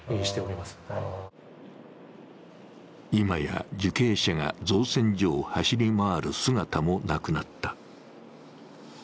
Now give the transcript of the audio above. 今や受刑者が造船所を走り回る姿もなくなった。